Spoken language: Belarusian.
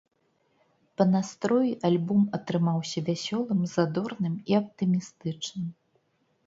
Па настроі альбом атрымаўся вясёлым, задорным і аптымістычным.